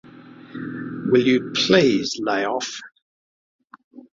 Will you please lay off?